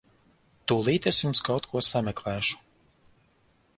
Tūlīt es jums kaut ko sameklēšu.